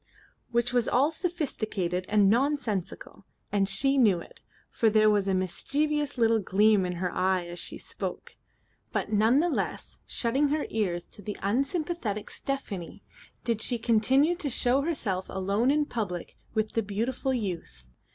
Which was all sophistical and nonsensical; and she knew it, for there was a mischievous little gleam in her eye as she spoke. But none the less, shutting her ears to the unsympathetic Stephanie, did she continue to show herself alone in public with the beautiful youth.